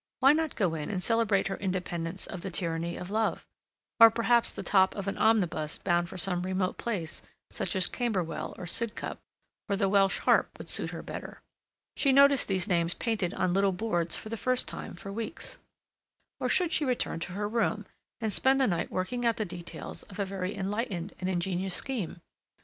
Why not go in and celebrate her independence of the tyranny of love? Or, perhaps, the top of an omnibus bound for some remote place such as Camberwell, or Sidcup, or the Welsh Harp would suit her better. She noticed these names painted on little boards for the first time for weeks. Or should she return to her room, and spend the night working out the details of a very enlightened and ingenious scheme?